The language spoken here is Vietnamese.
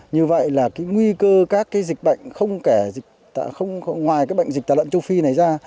như vậy nguy cơ các dịch bệnh không kể ngoài bệnh dịch tà lợn châu phi này ra